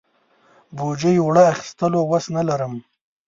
بوجۍ اوړو اخستلو وس نه لرم.